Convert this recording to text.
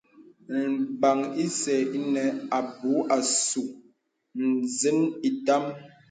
Lbàn ìsə̀ inə abū àsū nzə̀n itàm.